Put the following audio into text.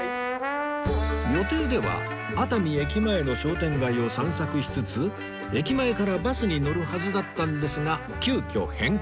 予定では熱海駅前の商店街を散策しつつ駅前からバスに乗るはずだったんですが急きょ変更